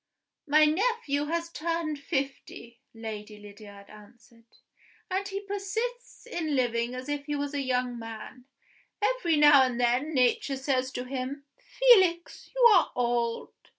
"My nephew has turned fifty," Lady Lydiard answered, "and he persists in living as if he was a young man. Every now and then Nature says to him, 'Felix, you are old!